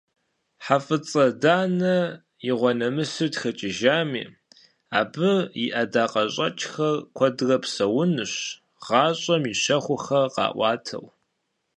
ХьэфӀыцӀэ Данэ игъуэнэмысу тхэкӀыжами, абы и ӀэдакъэщӀэкӀхэр куэдрэ псэунущ гъащӀэм и щэхухэр къаӀуатэу.